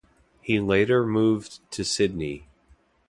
He later moved to Sydney.